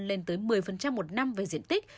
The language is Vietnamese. lên tới một mươi một năm về diện tích